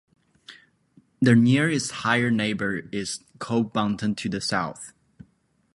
The nearest higher neighbor is Cobb Mountain to the south.